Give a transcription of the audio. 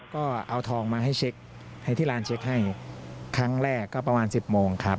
ก็เอาทองมาให้เช็คให้ที่ร้านเช็คให้ครั้งแรกก็ประมาณสิบโมงครับ